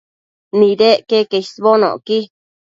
Nidec queque isbonocqui